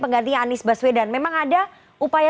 penggantinya anies baswedan memang ada upaya